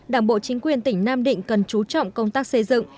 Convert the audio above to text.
đảng bộ chính quyền tỉnh nam định cần chú trọng công tác xây dựng